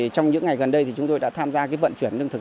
trong những ngày gần đây chúng tôi đã tham gia vận chuyển lương thực